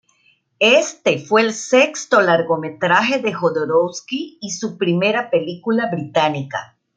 Este fue el sexto largometraje de Jodorowsky y su primera película británica.